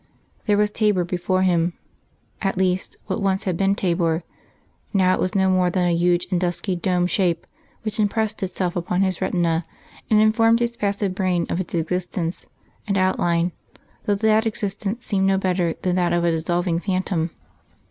There was Thabor before him at least what once had been Thabor, now it was no more than a huge and dusky dome shape which impressed itself upon his retina and informed his passive brain of its existence and outline, though that existence seemed no better than that of a dissolving phantom.